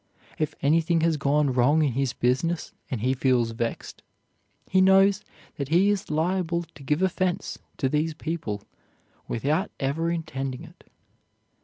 If anything has gone wrong in his business and he feels vexed, he knows that he is liable to give offense to these people without ever intending it.